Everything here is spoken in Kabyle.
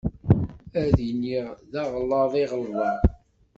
Ad d-iniɣ d aɣlaḍ i ɣelḍeɣ.